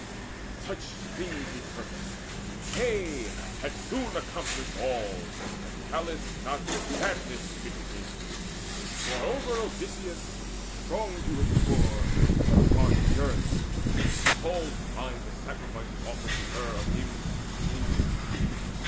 Such things He purposed nay, had soon accomplished all, Had Pallas not with madness smitten him; For over Odysseus, strong to endure, her heart Yearned, as she called to mind the sacrifices Offered to her of him continually.